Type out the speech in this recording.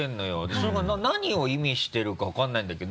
それが何を意味してるか分からないんだけど。